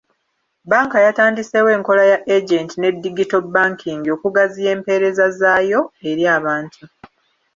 Bbanka yatandiseewo enkola ya agenti ne digito banking okugaziya empereza zaayo eri abantu .